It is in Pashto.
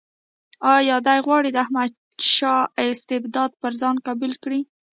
آیا دی غواړي د احمدشاه استبداد پر ځان قبول کړي.